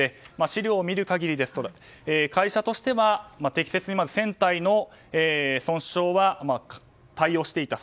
資料を見る限り、会社としては適切に船体の損傷は対応していた。